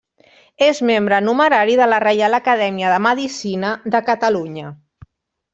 És membre numerari de la Reial Acadèmia de Medicina de Catalunya.